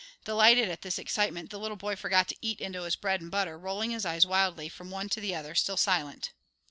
Delighted at this excitement, the little boy forgot to eat into his bread and butter, rolling his eyes wildly from one to the other, still silent.